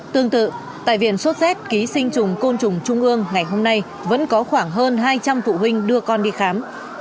tương tự tại viện sốt z ký sinh trùng côn trùng trung ương ngày hôm nay vẫn có khoảng hơn hai trăm linh phụ huynh đưa con đi khám